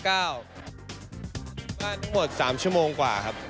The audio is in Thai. บ้านทั้งหมด๓ชั่วโมงกว่าครับ